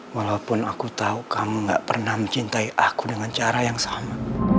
walaupun aku tahu kamu gak pernah mencintai aku dengan cara yang sama